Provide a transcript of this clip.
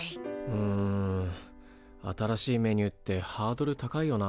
うん新しいメニューってハードル高いよな。